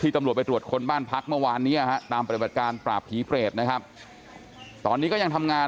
ที่ตำรวจไปตรวจคนบ้านพลักษณ์เมื่อวานนี้ตามประบัดการปราบผีเกรดนะฮะ